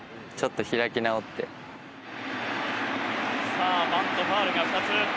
さあバントファウルが２つ。